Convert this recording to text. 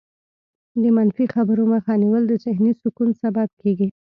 د منفي خبرو مخه نیول د ذهني سکون سبب کېږي.